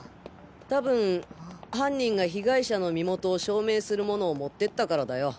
たぶん犯人が被害者の身元を証明するものを持ってったからだよ。